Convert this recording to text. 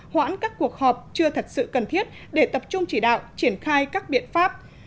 hoãn các cuộc họp chưa thật sự cần thiết để tập trung chỉ đạo triển khai các biện pháp